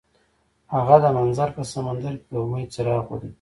هغه د منظر په سمندر کې د امید څراغ ولید.